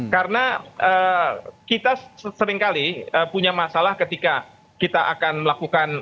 karena kita seringkali punya masalah ketika kita akan melakukan